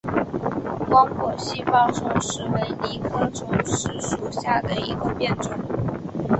光果细苞虫实为藜科虫实属下的一个变种。